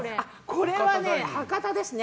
これは博多ですね。